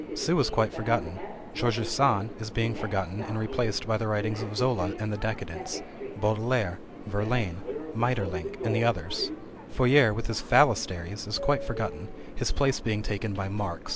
Sue is quite forgotten, Georges Sand is being forgotten and replaced by the writings of Zola and the Decadents, Beaudelaire, Verlaine, Maeterlinck, and others. Fourier with his phalansteries is quite forgotten, his place being taken by Marx.